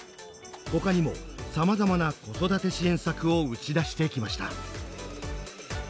ほかにもさまざまな子育て支援策を打ち出してきました。